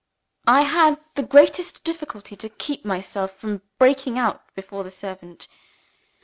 I had the greatest difficulty to keep myself from breaking out before the servant.